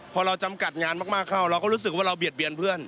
พอเราจำกัดงานมากเข้าเราก็รู้สึกว่าเราเบียดเบียนเพื่อน